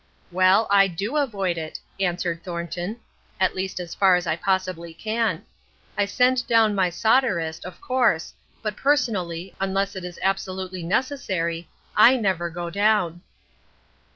"Well, I do avoid it," answered Thornton, "at least as far as I possibly can. I send down my solderist, of course, but personally, unless it is absolutely necessary, I never go down."